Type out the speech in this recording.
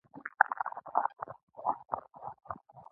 دده خبرې زما په مزاج برابرې نه دي